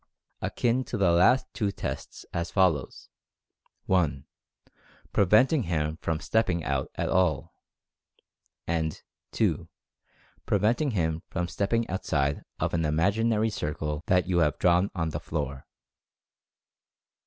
Akin to the last are two tests as follows: (i) Pre venting him from stepping out at all; and (2) pre venting him from stepping outside of an imaginary circle that you have drawn on the floor.